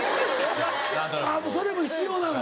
それも必要なの？